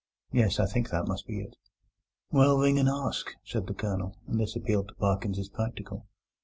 Yes, I think that must be it." "Well, ring and ask," said the Colonel, and this appealed to Parkins as practical.